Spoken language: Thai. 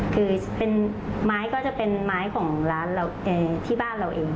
คือไม้ก็จะเป็นไม้ของร้านที่บ้านเราเองค่ะ